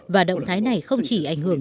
và động thái này không chỉ ảnh hưởng